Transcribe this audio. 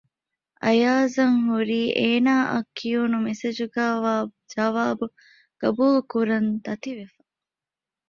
އަޔާޒަށް ހުރީ އޭނާއަށް ކިޔުނު މެސެޖުގައިވާ ޖަވާބު ގަބޫލުކުރަން ދަތިވެފަ